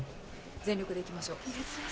全力でいきましょう。